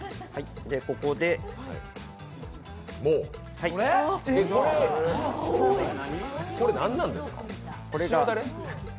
ここでこれ、何なんですか、塩ダレ？